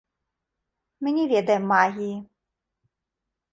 Мы не ведаем магіі.